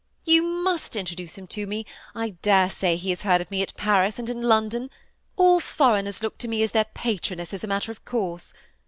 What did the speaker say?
''<< You must introduce him to me ; I dare say he has heard of me at Paris, and in London : all foreigners look to me as their patroness, as a matter of course.